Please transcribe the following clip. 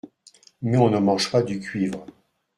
Mais on ne mange pas du cuivre.